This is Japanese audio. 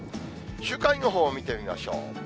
週間予報を見てみましょう。